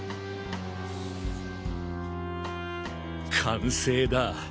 完成だ。